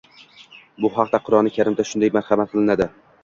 Bu haqda Qur'oni karimda shunday marhamat qilinadi: